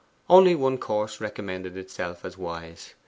Only one course recommended itself as wise.